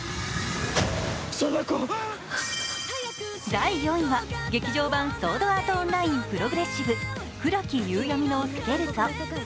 第４位は「劇場版ソードアート・オンライン‐プログレッシブ‐冥き夕闇のスケルツォ」。